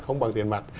không bằng tiền mặt